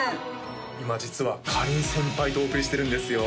今実はかりん先輩とお送りしてるんですよ